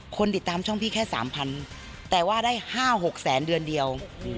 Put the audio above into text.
คนติดตามช่องพี่แค่๓๐๐แต่ว่าได้๕๖แสนเดือนเดียว